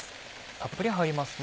たっぷり入りますね。